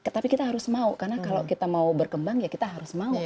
tapi kita harus mau karena kalau kita mau berkembang ya kita harus mau